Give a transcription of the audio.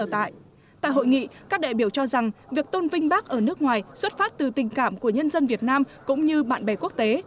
tại hội nghị các đại biểu cho rằng việc tôn vinh bác ở nước ngoài xuất phát từ tình cảm của nhân dân việt nam cũng như bạn bè quốc tế